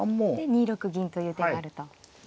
で２六銀という手があると。